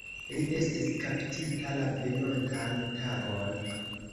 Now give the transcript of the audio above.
Li estis kaptita la venontan tagon.